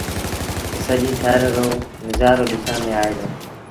تا سڄي ٿر رو نزآرو ڏسڻ ميݩ آئي دو۔